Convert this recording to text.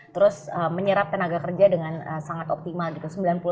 terus menyerap tenaga kerja dengan sangat optimal gitu